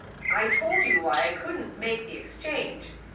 I told you why I couldn t make the exchange.